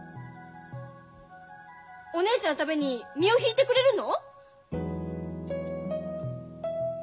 お姉ちゃんのために身を引いてくれるの？